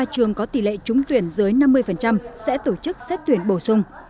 tám mươi ba trường có tỷ lệ trúng tuyển dưới năm mươi sẽ tổ chức xét tuyển bổ sung